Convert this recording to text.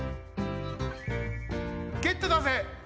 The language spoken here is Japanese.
ゲットだぜ！